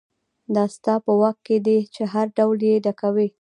دا ستا په واک کې دي چې هر ډول یې ډکوئ.